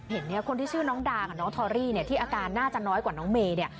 เนี่ยคนที่ชื่อน้องดากับน้องทอรี่เนี่ยที่อาการน่าจะน้อยกว่าน้องเมย์เนี่ย